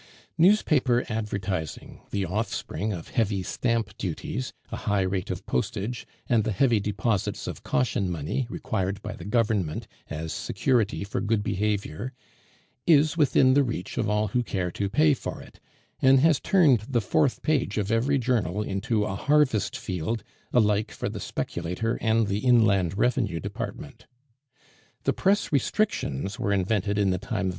Newspaper advertising, the offspring of heavy stamp duties, a high rate of postage, and the heavy deposits of caution money required by the government as security for good behavior, is within the reach of all who care to pay for it, and has turned the fourth page of every journal into a harvest field alike for the speculator and the Inland Revenue Department. The press restrictions were invented in the time of M.